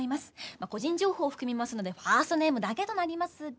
まあ個人情報を含みますのでファーストネームだけとなりますが。